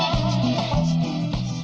aku akan mencari